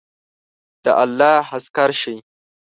د الله عسکر شئ!